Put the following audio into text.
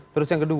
terus yang kedua